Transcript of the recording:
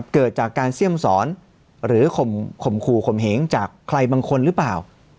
เกิดจากการเสี่ยมสอนหรือข่มขู่ข่มเหงจากใครบางคนหรือเปล่า